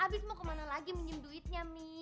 abis mau kemana lagi minjem duitnya mi